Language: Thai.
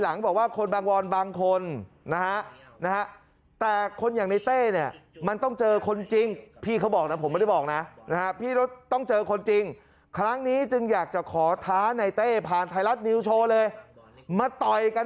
หลังบอกว่าคนบางวอนบางคนนะฮะนะฮะแต่คนอย่างในเต้เนี่ยมันต้องเจอคนจริงพี่เขาบอกนะผมไม่ได้บอกนะนะฮะพี่รถต้องเจอคนจริงครั้งนี้จึงอยากจะขอท้าในเต้ผ่านไทยรัฐนิวโชว์เลยมาต่อยกัน